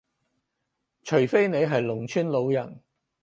除非你係農村老人